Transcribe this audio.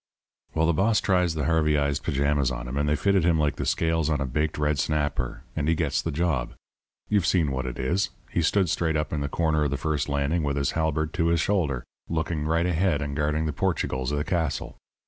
"Well, the boss tries the Harveyized pajamas on him, and they fitted him like the scales on a baked redsnapper, and he gets the job. You've seen what it is he stood straight up in the corner of the first landing with his halberd to his shoulder, looking right ahead and guarding the Portugals of the castle.